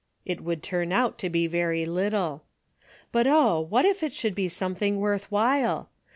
It would turn out to be very little. But oh, what if it should be something worth while